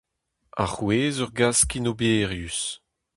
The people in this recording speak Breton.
Arouez ur gaz skinoberius.